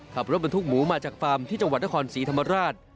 ขับรถบรรทุกหมูมาจากฟาร์มที่จังหวัดนครศรีธรรมราช